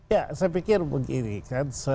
ya saya pikir begini kan